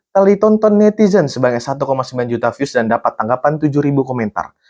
tali tonton netizen sebagai satu sembilan juta views dan dapat tanggapan tujuh ribu komentar